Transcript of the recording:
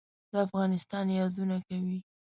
د افغانستان یادونه کوي.